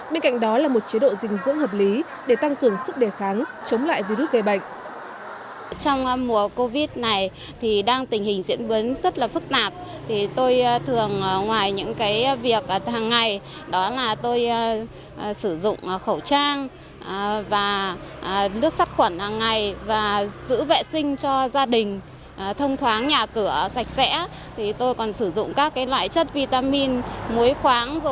bên cạnh đó là một chế độ dinh dưỡng hợp lý để tăng cường sức đề kháng chống lại virus gây bệnh